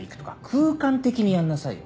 空間的にやんなさいよ。